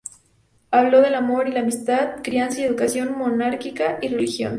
Habló del amor y la amistad, crianza y educación, monarquía y religión.